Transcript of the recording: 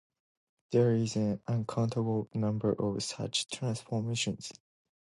There is an uncountable number of such transformations.